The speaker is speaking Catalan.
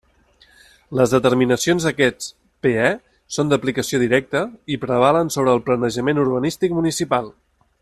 Les determinacions d'aquest PE són d'aplicació directa i prevalen sobre el planejament urbanístic municipal.